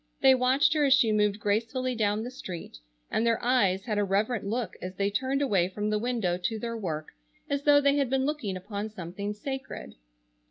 They watched her as she moved gracefully down the street, and their eyes had a reverent look as they turned away from the window to their work, as though they had been looking upon something sacred.